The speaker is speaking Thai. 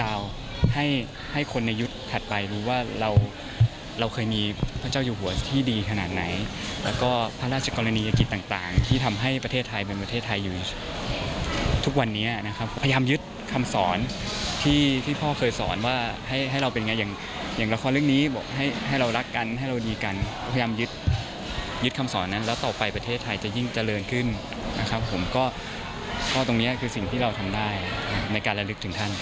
แล้วก็พระราชกรณียกิจต่างที่ทำให้ประเทศไทยเป็นประเทศไทยอยู่ทุกวันนี้นะครับพยายามยึดคำสอนที่พ่อเคยสอนว่าให้เราเป็นไงอย่างละครเรื่องนี้ให้เรารักกันให้เราดีกันพยายามยึดคำสอนนั้นแล้วต่อไปประเทศไทยจะยิ่งเจริญขึ้นนะครับผมก็ตรงนี้คือสิ่งที่เราทำได้ในการระลึกถึงท่าน